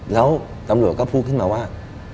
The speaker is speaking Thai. แล้วตำรวจก็พูดขึ้นมาว่า